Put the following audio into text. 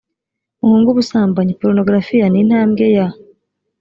muhunge ubusambanyi porunogarafiya ni yo ntambwe ya